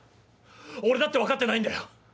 俺だって分かってないんだよ。